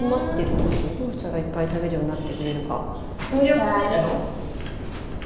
どうしたらいっぱい食べるようになってくれるか。